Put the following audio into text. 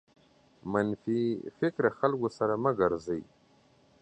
منفي فکره خلکو سره مه ګرځٸ.